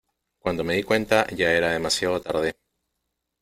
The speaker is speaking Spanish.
cuando me di cuenta ya era demasiado tarde.